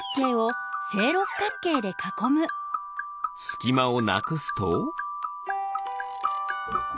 すきまをなくすと。